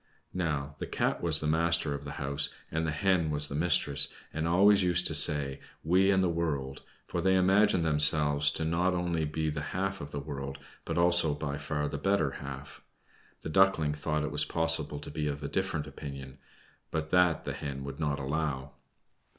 Now the Cat was the master of the house, and the Hen was the mistress, and always used to say, "We and the world," for they imagined themselves to be not only the half of the world, but also by far the better half. The Duckling thought it was possible to be of a different opinion, but that the Hen would not allow.